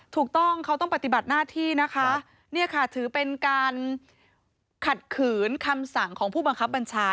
ถูกต้องเขาต้องปฏิบัติหน้าที่นะคะเนี่ยค่ะถือเป็นการขัดขืนคำสั่งของผู้บังคับบัญชา